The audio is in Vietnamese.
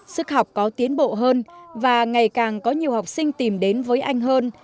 sức học có tiến bộ hơn và ngày càng có nhiều học sinh tìm đến với anh hơn